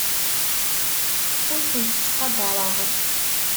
Ur tent-ttqadareɣ.